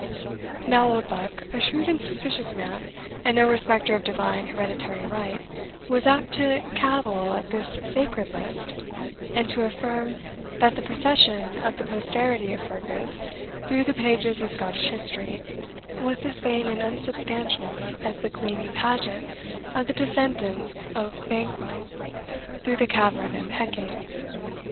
Now Oldbuck, a shrewd and suspicious man, and no respecter of divine hereditary right, was apt to cavil at this sacred list, and to affirm, that the procession of the posterity of Fergus through the pages of Scottish history, was as vain and unsubstantial as the gleamy pageant of the descendants of Banquo through the cavern of Hecate.